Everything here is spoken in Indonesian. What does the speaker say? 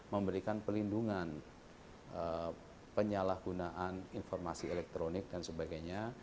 memberikan pelindungan penyalahgunaan informasi elektronik dan sebagainya